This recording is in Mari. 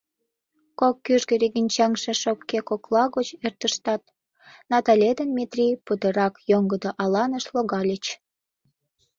Кок кӱжгӧ регенчаҥше шопке кокла гоч эртыштат, Натале ден Метрий путырак йоҥгыдо аланыш логальыч.